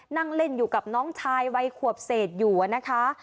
นั่งเล่นอยู่กับน้องชายวัยขวบเศษอยู่นะคะ